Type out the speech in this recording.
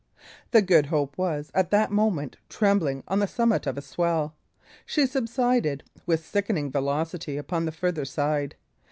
The Good Hope was, at that moment, trembling on the summit of a swell. She subsided, with sickening velocity, upon the farther side.